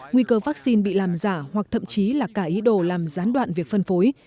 nguy cơ vaccine bị làm giả hoặc thậm chí là cả ý đồ làm gián đoạn việc phân phối